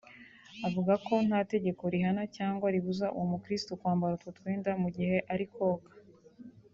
Avuga ko nta tegeko rihana cyangwa ribuza uwo mukirisitu kwambara utwo twenda mu gihe ari koga